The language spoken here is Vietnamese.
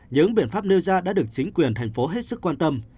những biện pháp nêu ra đã được chính quyền thành phố hết sức quan tâm